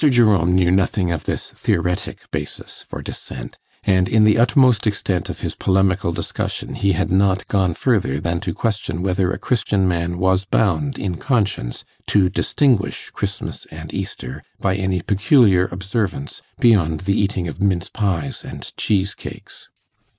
Jerome knew nothing of this theoretic basis for Dissent, and in the utmost extent of his polemical discussion he had not gone further than to question whether a Christian man was bound in conscience to distinguish Christmas and Easter by any peculiar observance beyond the eating of mince pies and cheese cakes.